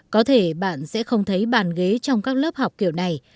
có thể bạn sẽ không thấy bàn ghế trong các lớp học kiểu này